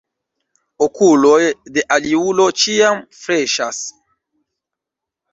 Okuloj de aliulo ĉiam freŝas.